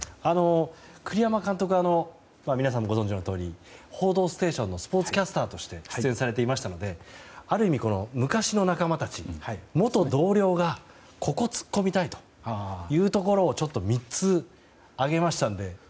栗山監督は皆さんもご存じのとおり「報道ステーション」のスポーツキャスターとして出演されていましたのである意味、昔の仲間たち元同僚がここ突っ込みたいというところを３つ挙げましたので。